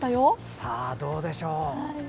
さあ、どうでしょう。